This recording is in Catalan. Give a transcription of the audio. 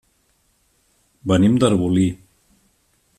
Venim d'Arbolí.